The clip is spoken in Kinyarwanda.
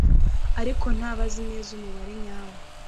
ariko ntibazi neza umubare nyawo